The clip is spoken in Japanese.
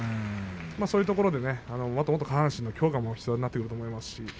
そういうところでもっともっと下半身の強化も必要になってくると思います。